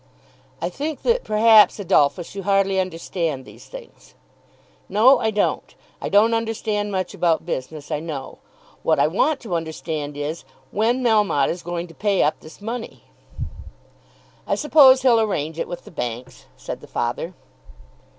"I think that perhaps, Adolphus, you hardly understand these things." "No, I don't. I don't understand much about business, I know. What I want to understand is, when Melmotte is going to pay up this money." "I suppose he'll arrange it with the banks," said the father.